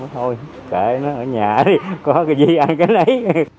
thôi kệ nó ở nhà đi có cái gì ăn cái lấy